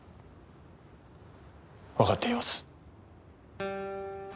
わかっています。